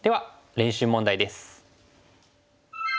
練習問題です。